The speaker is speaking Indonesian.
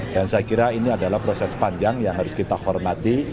dan saya kira ini adalah proses panjang yang harus kita hormati